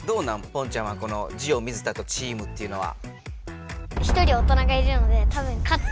ポンちゃんはこのジオ水田とチームというのは。